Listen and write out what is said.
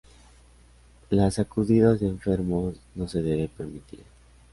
Las sacudidas de enfermos no se deben permitir...